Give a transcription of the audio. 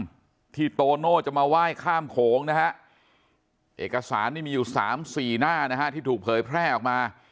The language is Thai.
ที่โตโน่จะมาไหว้ข้ามโขงนะฮะเอกสารนี่มีอยู่๓๔หน้านะฮะที่ถูกเผยแพร่ออกมา